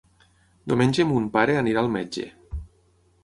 Diumenge mon pare anirà al metge.